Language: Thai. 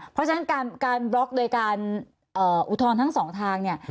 เพราะฉะนั้นการบล็อกโดยการอุทธรณ์ทั้งสองทางเนี่ย